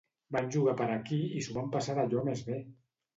Van jugar per aquí i s'ho van passar d'allò més bé!